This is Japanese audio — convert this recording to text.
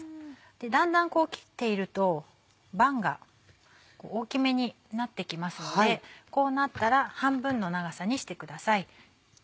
だんだん切っているとばんが大きめになってきますのでこうなったら半分の長さにしてください。